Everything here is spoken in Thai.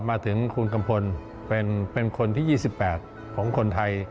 มาถึงคุณกัมพลเป็นคนที่๒๘ของคนไทย